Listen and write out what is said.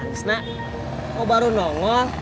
ketis nak kok baru nongol